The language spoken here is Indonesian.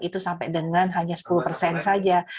itu sampai dengan hanya sepuluh persen saja